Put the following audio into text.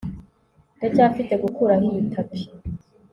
ndacyafite gukuraho iyi tapi